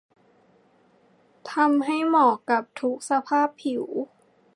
ทำให้เหมาะกับทุกสภาพผิว